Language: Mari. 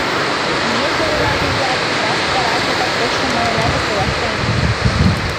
А меже, ораде-влак, «Рад стараться, так точно» манына да колаш каена.